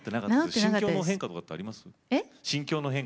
心境の変化とかってあります？